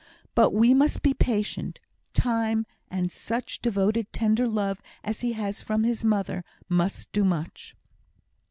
But we must be patient. Time, and such devoted, tender love as he has from his mother, must do much."